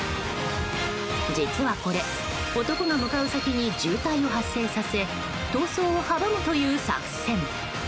実はこれ男が向かう先に渋滞を発生させ逃走を阻むという作戦。